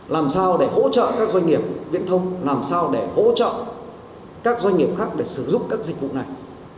làm sao để hỗ trợ các doanh nghiệp viễn thông làm sao để hỗ trợ các doanh nghiệp khác để sử dụng các dịch vụ này